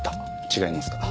違いますか？